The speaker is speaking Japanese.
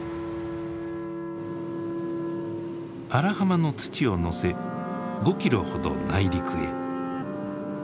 荒浜の土を乗せ５キロほど内陸へ。